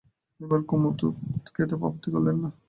এবার কুমু দুধ খেতে আপত্তি করলে না।